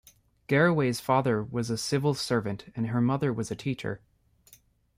Garraway's father was a civil servant and her mother was a teacher.